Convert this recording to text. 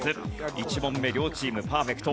１問目両チームパーフェクト。